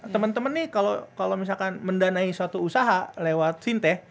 teman teman nih kalau mendanai suatu usaha lewat fintech